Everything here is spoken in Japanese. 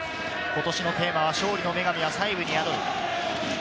今年のテーマは「勝利の女神は細部に宿る」。